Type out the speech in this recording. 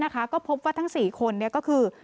ก็พบว่าทั้ง๔คนก็คือ